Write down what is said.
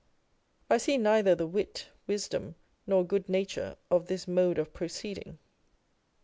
I see neither the wit, wisdom, nor good nature of this mode of proceeding.